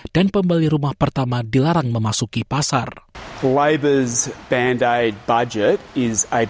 dan pembeli rumah pertama rupanya tidak akan berhasil